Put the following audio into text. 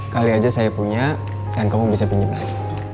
kali aja saya punya dan kamu bisa pinjam lagi